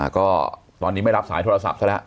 ก็ตอนนี้ไม่รับสายโทรศัพท์ซะแล้ว